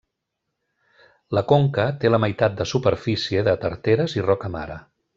La conca té la meitat de superfície de tarteres i roca mare.